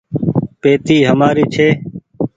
پيتي همآري ڇي۔